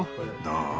どう？